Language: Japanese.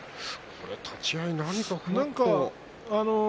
立ち合い、何か。